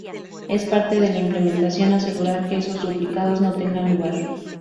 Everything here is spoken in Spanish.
Es parte de la implementación asegurar que esos duplicados no tengan lugar.